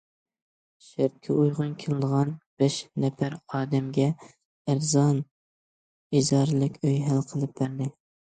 شەرتكە ئۇيغۇن كېلىدىغان بەش نەپەر ئادەمگە ئەرزان ئىجارىلىك ئۆي ھەل قىلىپ بەردى.